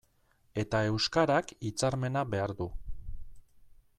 Eta euskarak hitzarmena behar du.